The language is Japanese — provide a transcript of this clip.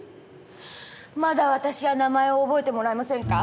まだ私は名前を覚えてもらえませんか？